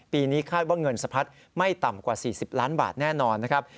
ปีนี้คาดว่าเงินสะพัดไม่ต่ำกว่า๔๐ล้านบาทแน่นอนนะครับ